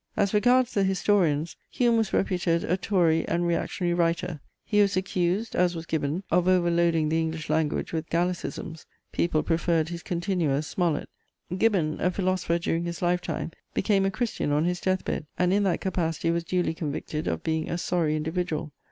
As regards the historians, Hume was reputed a Tory and reactionary writer: he was accused, as was Gibbon, of over loading the English language with gallicisms; people preferred his continuer, Smollett. Gibbon, a philosopher during his lifetime, became a Christian on his death bed, and in that capacity was duly convicted of being a sorry individual.